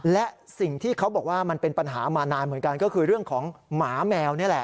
และสิ่งที่เขาบอกว่ามันเป็นปัญหามานานเหมือนกันก็คือเรื่องของหมาแมวนี่แหละ